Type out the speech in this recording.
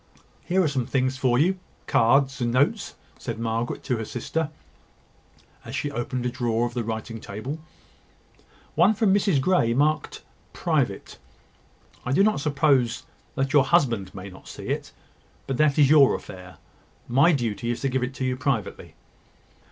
"Here are some things for you, cards and notes," said Margaret to her sister, as she opened a drawer of the writing table: "one from Mrs Grey, marked `Private.' I do not suppose your husband may not see it; but that is your affair. My duty is to give it you privately."